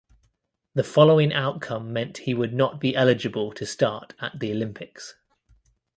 The following outcome meant he would not be eligible to start at the Olympics.